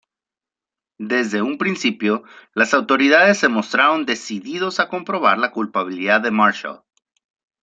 Desde un principio, las autoridades se mostraron decididos a comprobar la culpabilidad de Marshall.